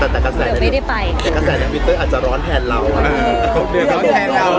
แต่แต่กระแสนาไม่ได้ไปแต่กระแสนาอาจจะร้อนแผ่นเราอ่ะร้อนแผ่นเรา